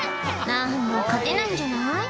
あもう勝てないんじゃない？